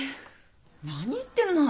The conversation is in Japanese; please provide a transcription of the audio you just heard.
何言ってるの？